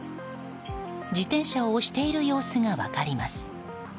自転車を押している様子が分かります。